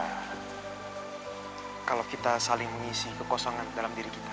karena kalau kita saling mengisi kekosongan dalam diri kita